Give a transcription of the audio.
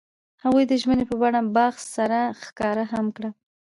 هغوی د ژمنې په بڼه باغ سره ښکاره هم کړه.